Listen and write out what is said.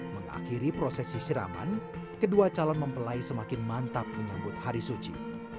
mengakhiri prosesi siraman kedua calon mempelai semakin mantap menyambut hari suci